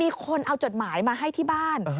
มีคนเอาจดหมายมาให้ที่บ้าน